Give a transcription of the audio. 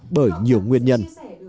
bởi nhiều nguyên nhân